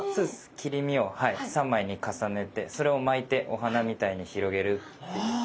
切り身を３枚に重ねてそれを巻いてお花みたいに広げるっていう。